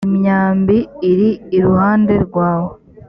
imyambi iri iruhande rwawe